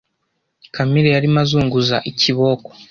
camille yarimo azunguza ikiboko